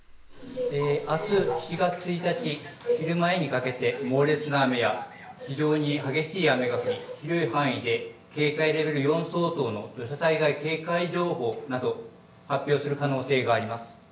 あす７月１日昼前にかけて猛烈な雨や非常に激しい雨が降り広い範囲で警戒レベル４相当の土砂災害警戒情報など発表する可能性があります。